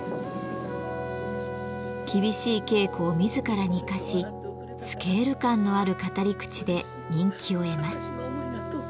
厳しい稽古を自らに課しスケール感のある語り口で人気を得ます。